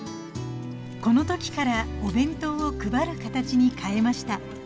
この時からお弁当を配る形に変えました